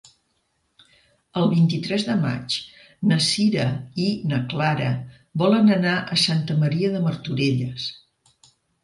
El vint-i-tres de maig na Sira i na Clara volen anar a Santa Maria de Martorelles.